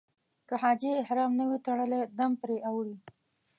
که حاجي احرام نه وي تړلی دم پرې اوړي.